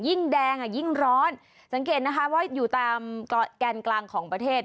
ยิ่งแดงอ่ะยิ่งร้อนสังเกตนะคะว่าอยู่ตามแกนกลางของประเทศ